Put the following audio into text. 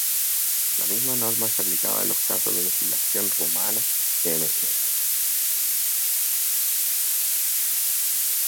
Las misma norma se aplicaba en los casos de legislación romana de emergencia.